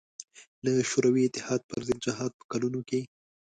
له شوروي اتحاد پر ضد جهاد په کلونو کې.